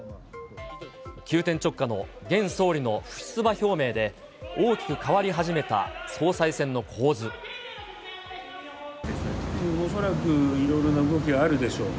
急転直下の現総理の不出馬表明で、恐らく、いろいろな動きがあるでしょう。